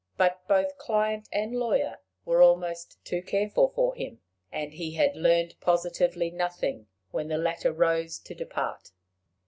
But both client and lawyer were almost too careful for him; and he had learned positively nothing when the latter rose to depart.